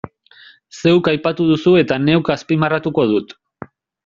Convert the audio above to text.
Zeuk aipatu duzu eta neuk azpimarratuko dut.